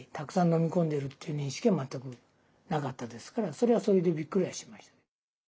それはそれでびっくりはしました。